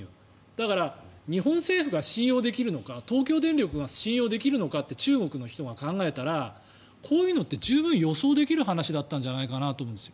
だから、日本政府が信用できるのか東京電力が信用できるのかって中国の人が考えたらこういうのって十分予想できる話だったんじゃないかと思うんです。